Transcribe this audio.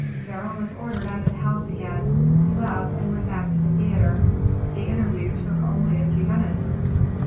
Beryl was ordered out of the house again. He left and went back to the theatre. The interview took only a few minutes."